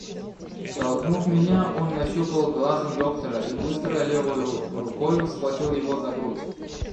Толкнув меня, он нащупал глазом доктора и быстро левою рукою схватил его за грудь.